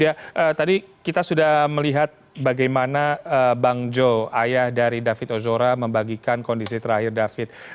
ya tadi kita sudah melihat bagaimana bang jo ayah dari david ozora membagikan kondisi terakhir david